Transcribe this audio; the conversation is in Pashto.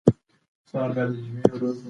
اخلاق په سوداګرۍ کې مهم دي.